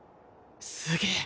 すげえ